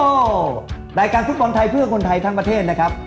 ก็รายการฟุตบอลไทยเพื่อคนไทยทั้งประเทศนะครับ